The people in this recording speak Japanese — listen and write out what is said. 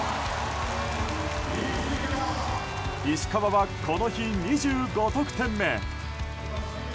石川は、この日２５得点目。